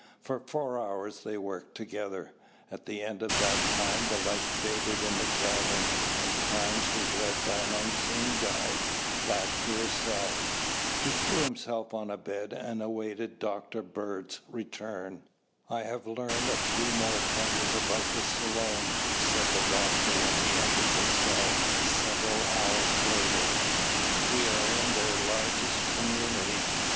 For four hours they worked together. At the end of that time the light faded in the cavern and Carnes was led by an unseen guide back to his cell. He threw himself on a bed and awaited Dr. Bird's return. "I have learned a few more things about the Selom," said the doctor when he entered the cell several hours later. "We are in their largest community.